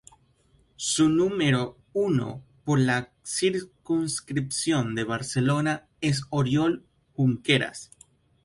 Su número uno por la circunscripción de Barcelona es Oriol Junqueras.